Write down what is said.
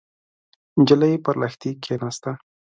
نجلۍ پر لښتي کېناسته.